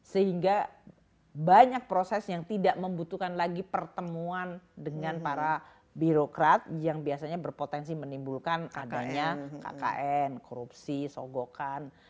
sehingga banyak proses yang tidak membutuhkan lagi pertemuan dengan para birokrat yang biasanya berpotensi menimbulkan adanya kkn korupsi sogokan